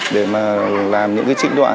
để mà làm những trịnh đoạn